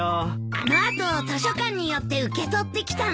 あの後図書館に寄って受け取ってきたんだよ。